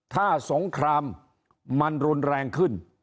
ถ้าสงครามมันรุนแรงขึ้น